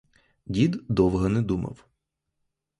Дід довго не думав.